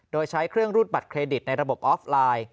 โดยใช้เครื่องรูดบัตรเครดิตในระบบออฟไลน์